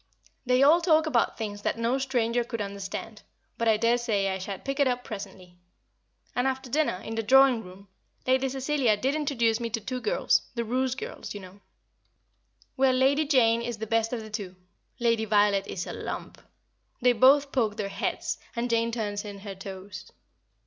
They all talk about things that no stranger could understand, but I dare say I shall pick it up presently. And after dinner, in the drawing room, Lady Cecilia did introduce me to two girls the Roose girls you know. Well, Lady Jane is the best of the two; Lady Violet is a lump. They both poke their heads, and Jane turns in her toes.